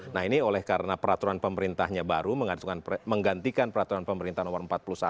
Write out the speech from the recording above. nah ini oleh karena peraturan pemerintahnya baru menggantikan peraturan pemerintah nomor empat puluh satu